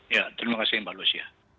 ya terima kasih mbak lucia